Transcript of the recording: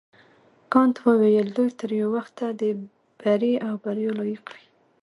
کانت وویل دوی تر یو وخته د بري او بریا لایق وي.